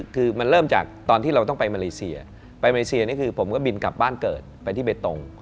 คือมันเริ่มจากตอนที่เราต้องไปมาเลเซียไปมาเลเซียนี่คือผมก็บินกลับบ้านเกิดไปที่เบตง